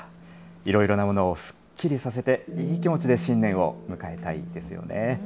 いろいろな物をすっきりさせて、いい気持ちで新年を迎えたいですよね。